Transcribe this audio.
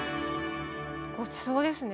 ごちそうですね。